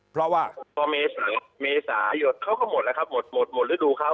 เพราะว่าพอเมษายนเขาก็หมดแล้วครับหมดหมดฤดูเขา